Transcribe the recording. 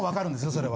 それは。